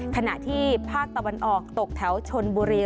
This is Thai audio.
ขณะที่ภาคตะวันออกตกแถวชนบุรี